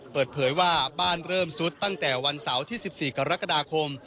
เปิดเผยว่าบ้านเริ่มซุดตั้งแต่วันเสาร์ที่๑๔กรกฎาคม